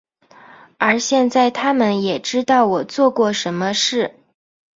而现在他们也知道我做过什么事。